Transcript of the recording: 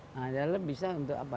nah dalam bisa untuk apa